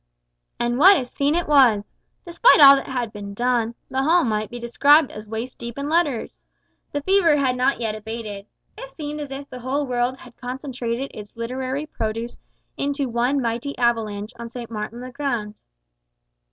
And what a scene it was! Despite all that had been done, the hall might be described as waist deep in letters! The fever had not yet abated. It seemed as if the whole world had concentrated its literary produce into one mighty avalanche on St. Martin's le Grand!